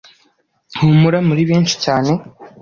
Humura muri benshi cyane